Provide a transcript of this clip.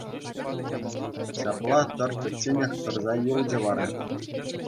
Ҫапла тӑр пӗчченех тӑрса юлчӗ вара.